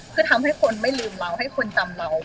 คือทำให้คนไม่ลืมเราให้คนจำเรา